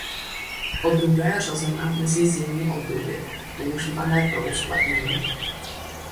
Odrůda je řazena mezi zimní odrůdy používané pro uskladnění.